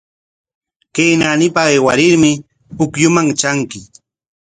Kay naanipa aywarmi pukyuman tranki.